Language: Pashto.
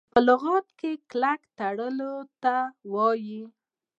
په لغت کي کلک تړلو ته وايي .